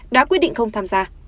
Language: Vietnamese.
đã quyết định không tham gia